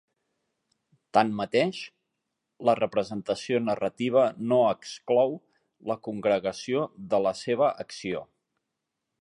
Tanmateix, la representació narrativa no exclou la congregació de la seva acció.